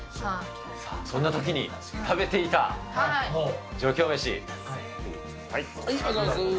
そんなときに食べていた上京メシ。